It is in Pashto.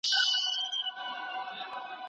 «... د هغو ورځو په یاد!»